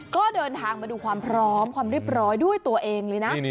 ก็เดินทางมาดูความพร้อมความเรียบร้อยด้วยตัวเองเลยนะ